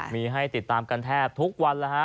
มีให้ติดตามกันแทบทุกวันแล้วฮะ